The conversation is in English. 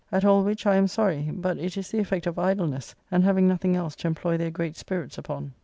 At all which I am sorry; but it is the effect of idleness, and having nothing else to employ their great spirits upon.